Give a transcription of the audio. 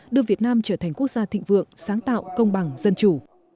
đưa việt nam trở thành quốc gia thịnh vượng sáng tạo công bằng dân chủ